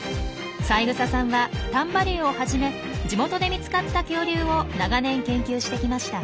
三枝さんは丹波竜をはじめ地元で見つかった恐竜を長年研究してきました。